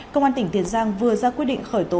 công an tỉnh tiên giang vừa ra quy định khởi tố